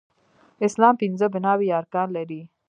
اسلام پنځه بناوې يا ارکان لري